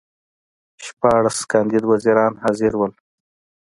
شپاړس کاندید وزیران حاضر وو.